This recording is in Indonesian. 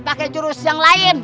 pake jurus yang lainnya